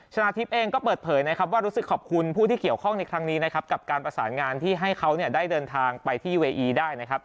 ชนะทิพย์เองก็เปิดเผยนะครับว่ารู้สึกขอบคุณผู้ที่เกี่ยวข้องในครั้งนี้นะครับกับการประสานงานที่ให้เขาเนี่ยได้เดินทางไปที่เวอีได้นะครับ